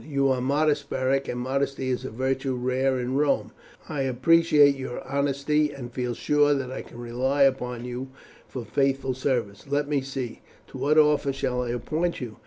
"You are modest, Beric, and modesty is a virtue rare in Rome; but I appreciate your honesty, and feel sure that I can rely upon you for faithful service. Let me see, to what office shall I appoint you?